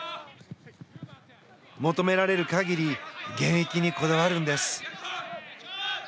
求められる限り現役にこだわるんです。